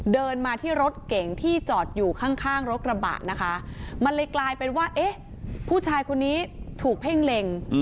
เดินมาที่รถเก่งที่จอดอยู่ข้างรถกระบะนะคะมันเลยกลายเป็นว่าเอ๊ะผู้ชายคนนี้ถูกเพ่งเล็ง